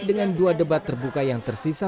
dengan dua debat terbuka yang tersisa